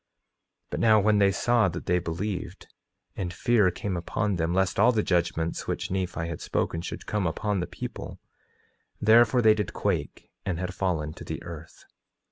9:5 But now, when they saw they believed, and fear came upon them lest all the judgments which Nephi had spoken should come upon the people; therefore they did quake, and had fallen to the earth.